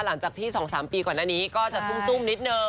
หลังจากที่๒๓ปีก่อนหน้านี้ก็จะซุ่มนิดนึง